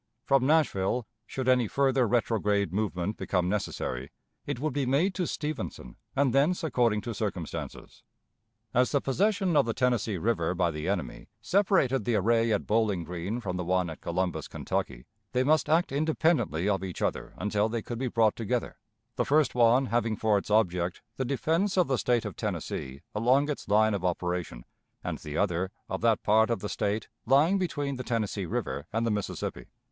From Nashville, should any further retrograde movement become necessary, it would be made to Stevenson, and thence according to circumstances. As the possession of the Tennessee river by the enemy separated the array at Bowling Green from the one at Columbus, Kentucky, they must act independently of each other until they could be brought together: the first one having for its object the defense of the State of Tennessee along its line of operation; and the other, of that part of the State lying between the Tennessee River and the Mississippi.